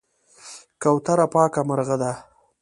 کوتره پاکه مرغه ده.